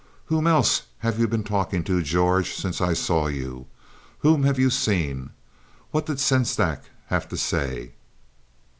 "Whom else have you been talking to, George, since I saw you? Whom have you seen? What did Sengstack have to say?"